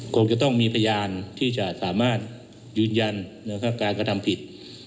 คงจะต้องมีพยานที่จะสามารถยืนยันการกระทำผิด